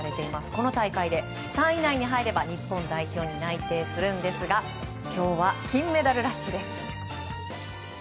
この大会で３位以内に入れば日本代表に内定するんですが今日は金メダルラッシュです。